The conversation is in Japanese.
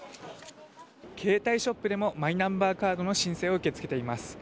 携帯ショップでもマイナンバーカードの申請を受け付けています。